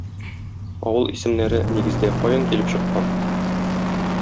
Авыл исемнәре, нигездә, каян килеп чыккан?